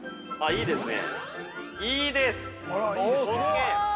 いいですね。